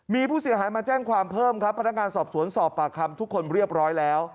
มีผู้เสียหายมาแจ้งความเพิ่มครับพนักงานสอบสวนสอบปากคำทุกคนเรียบร้อยแล้ว